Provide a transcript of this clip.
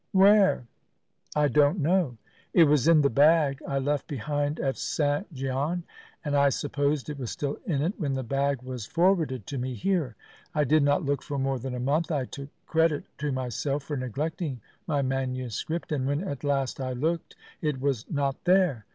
Where?" "I don't know. It was in the bag I left behind at St. Gian, and I supposed it was still in it when the bag was forwarded to me here. I did not look for more than a month. I took credit to myself for neglecting my manuscript, and when at last I looked it was not there.